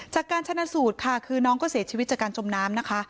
จากการชนะสูตรค่ะคือน้องก็เสียชีวิตจากการจมน้ำนะคะ